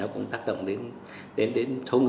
cũng không được cao